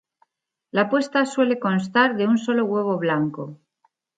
La puesta suele constar de un solo huevo blanco.